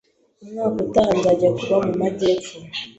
umwaka utaha nzajya kuba mumajyepfo